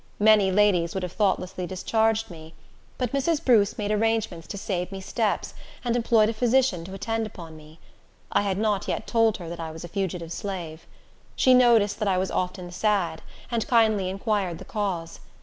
Many ladies would have thoughtlessly discharged me; but Mrs. Bruce made arrangements to save me steps, and employed a physician to attend upon me. I had not yet told her that I was a fugitive slave. She noticed that I was often sad, and kindly inquired the cause.